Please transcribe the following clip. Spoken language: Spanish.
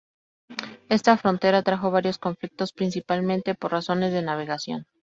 Esta frontera trajo varios conflictos, principalmente por razones de navegación.